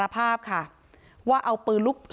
มันมีแม่ด้วย